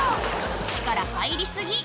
力入り過ぎ